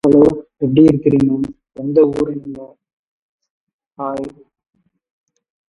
Phraya Manopakorn was immediately removed as Prime Minister.